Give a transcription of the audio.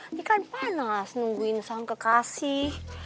ini kan panas nungguin sang kekasih